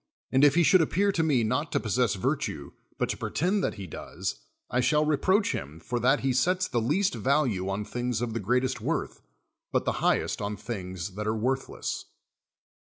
And if he should appear to me not to possess virtue, but to pretend that he does, I shall re proach him for that he sets the least value on things of the greatest worth, but the highest on things that are worthless.